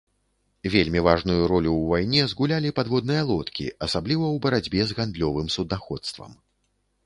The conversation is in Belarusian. Вельмі важную ролю ў вайне згулялі падводныя лодкі, асабліва ў барацьбе з гандлёвым суднаходствам.